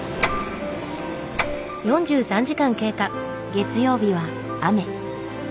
月曜日は雨。